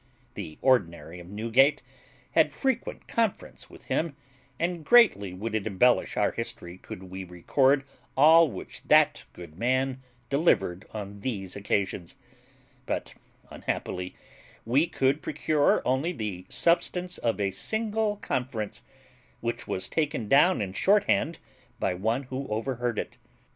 The ordinary of Newgate had frequent conferences with him, and greatly would it embellish our history could we record all which that good man delivered on these occasions; but unhappily we could procure only the substance of a single conference, which was taken down in shorthand by one who overheard it.